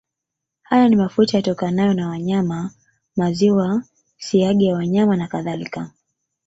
Haya ni mafuta yatokanayo na wanyama maziwa siagi ya wanyama nakadhalika